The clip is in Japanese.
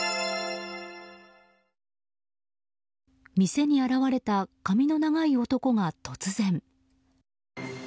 店に現れた髪の長い男が突然。